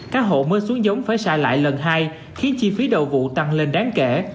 các hộ mới xuống giống phải xài lại lần hai khiến chi phí đầu vụ tăng lên đáng kể